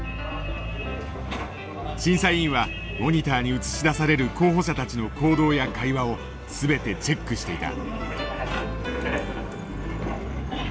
審査委員はモニターに映し出される候補者たちの行動や会話を全てチェックしていた。